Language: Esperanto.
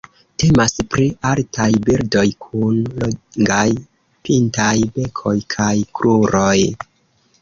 Temas pri altaj birdoj kun longaj pintaj bekoj kaj kruroj.